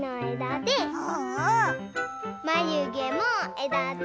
まゆげもえだで。